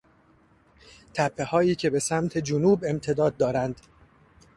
تپههایی که به سمت جنوب امتداد دارند